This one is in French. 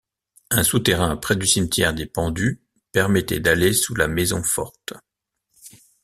Un souterrain près du cimetière des pendus permettait d’aller sous la maison forte.